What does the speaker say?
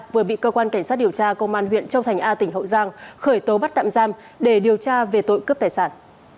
vừa bị cơ quan cảnh sát điều tra công an huyện châu thành a tỉnh hậu giang khởi tố bắt tạm giam để điều tra về tội cướp tài sản